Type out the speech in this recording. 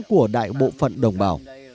của đại bộ phận đồng bào